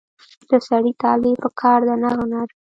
د سړي طالع په کار ده نه هنر.